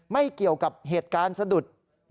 ไม่เกี่ยวกับเหตุการณ์สะดุด